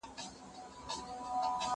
زه اوږده وخت سړو ته خواړه ورکوم؟